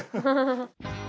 ハハハハ。